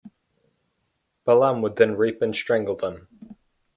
Balaam would then rape and strangle them.